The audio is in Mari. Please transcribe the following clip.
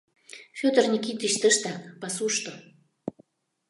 — Федор Никитич тыштак, пасушто.